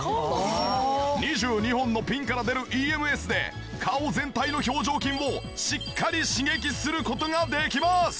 ２２本のピンから出るＥＭＳで顔全体の表情筋をしっかり刺激する事ができます。